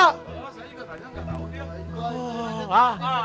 saya juga tanya gak tahu dia